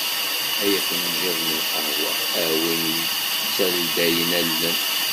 Ay afenǧal n lqahwa, a win i d-yettaldayen allen.